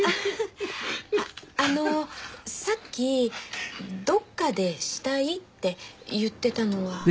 あっあのさっき「どっかで死体」って言ってたのは？